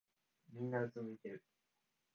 みんなうつむいてる。